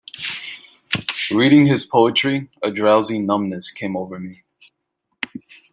Reading his poetry, a drowsy numbness came over me.